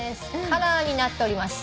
カラーになっております。